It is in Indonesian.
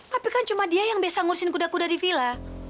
tapi kan cuma dia yang biasa ngurusin kuda kuda di villa